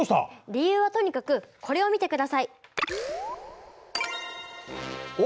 理由はとにかくこれを見てください！